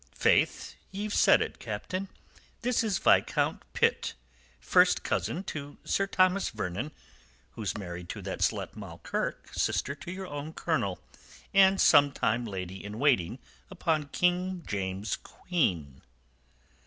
"Faith, ye've said it, Captain. This is Viscount Pitt, first cousin to Sir Thomas Vernon, who's married to that slut Moll Kirke, sister to your own colonel, and sometime lady in waiting upon King James's queen."